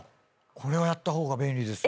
これはやった方が便利ですよ。